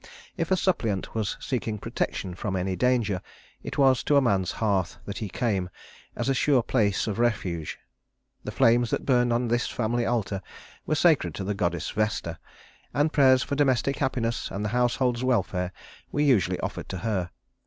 If a suppliant was seeking protection from any danger, it was to a man's hearth that he came as a sure place of refuge. The flames that burned on this family altar were sacred to the goddess Vesta, and prayers for domestic happiness and the household's welfare were usually offered to her.